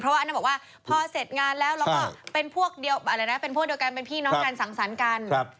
เพราะว่าอันนั้นบอกว่าพอเสร็จงานแล้วแล้วก็เป็นพวกเดียวกันเป็นพี่น้องการสังสรรค์กัน